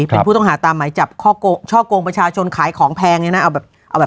เป็นผู้ต้องหาตามหมายจับช่อกงประชาชนขายของแพงเนี่ยนะเอาแบบเอาแบบ